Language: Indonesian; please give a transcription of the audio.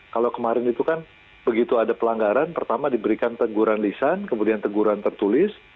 kalau kemarin itu kan begitu ada pelanggaran pertama diberikan teguran lisan kemudian teguran tertulis